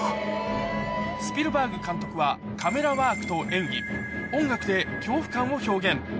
スピルバーグ監督は、カメラワークと演技、音楽で恐怖感を表現。